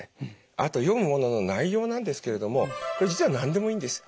あと読むものの内容なんですけれどもこれ実は何でもいいんです。